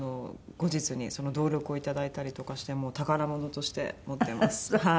後日にその同録をいただいたりとかしてもう宝物として持ってます。